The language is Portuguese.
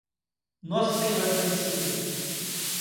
Nossa Senhora Aparecida